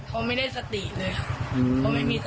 เขาไม่ได้สติเลยค่ะ